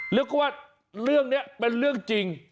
เรียกว่าเรื่องนี้เป็นเรื่องจริง